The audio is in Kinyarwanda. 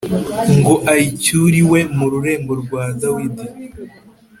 ngo ayicyure iwe mu rurembo rwa Dawidi